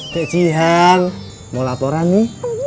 kak jijan mau laporan nih